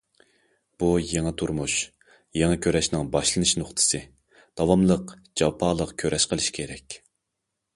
بۇ، يېڭى تۇرمۇش، يېڭى كۈرەشنىڭ باشلىنىش نۇقتىسى، داۋاملىق جاپالىق كۈرەش قىلىش كېرەك.